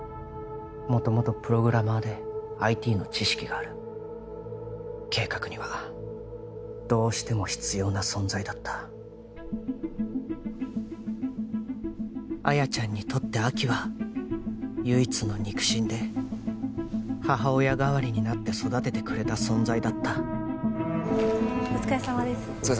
元々プログラマーで ＩＴ の知識がある計画にはどうしても必要な存在だった亜矢ちゃんにとって亜希は唯一の肉親で母親代わりになって育ててくれた存在だったお疲れさまです